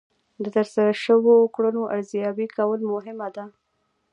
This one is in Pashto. د ترسره شوو کړنو ارزیابي کول مهمه ده.